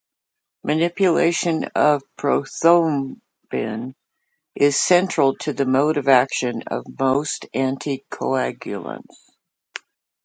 Manipulation of prothrombin is central to the mode of action of most anticoagulants.